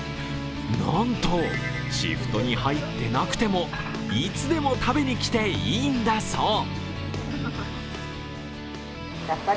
なんとシフトに入っていなくてもいつでも食べに来ていいんだそう。